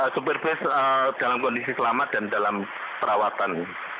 supir bus dalam kondisi selamat dan dalam perawatan